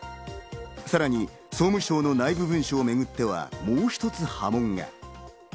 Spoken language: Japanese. さらに総務省の内部文書をめぐっては、もう一つ波紋が。